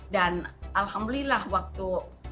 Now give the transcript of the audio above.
dan alhamdulillah waktu